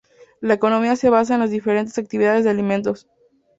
La economía se basa en las diferentes actividades de alimentos.